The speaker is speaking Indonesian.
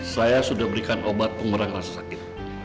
saya sudah berikan obat pengerang rasa sakit